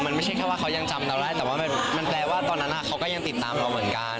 มันไม่ใช่แค่ว่าเขายังจำเราได้แต่ว่ามันแปลว่าตอนนั้นเขาก็ยังติดตามเราเหมือนกัน